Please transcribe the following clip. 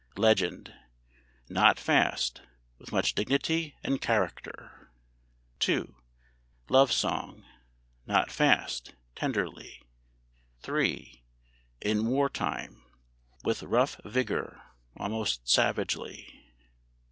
"LEGEND" ("Not fast; with much dignity and character") 2. "LOVE SONG" ("Not fast; tenderly") 3. "IN WAR TIME" ("With rough vigor, almost savagely") 4.